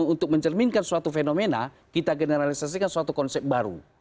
untuk mencerminkan suatu fenomena kita generalisasikan suatu konsep baru